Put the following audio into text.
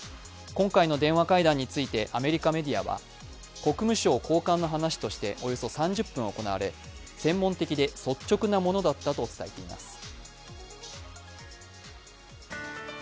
今回の電話会談についてアメリカメディアは国務省高官の話としておよそ３０分行われ、専門的で率直なものだったと伝えています。